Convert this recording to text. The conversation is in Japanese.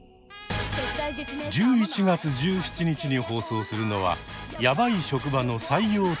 １１月１７日に放送するのは「ヤバい職場の採用担当者」。